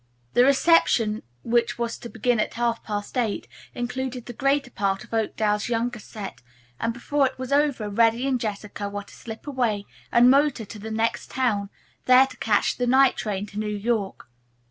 The reception, which was to begin at half past eight, included the greater part of Oakdale's younger set, and before it was over Reddy and Jessica were to slip away and motor to the next town, there to catch the night train to New York.